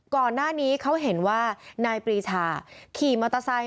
ก่อนหน้านี้เขาเห็นว่านายปรีชาขี่มอเตอร์ไซค